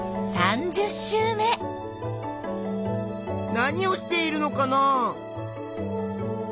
何をしているのかな？